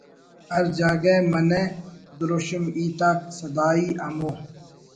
ہر جاگہ منہ دروشم ہیت آک سدائی ہمو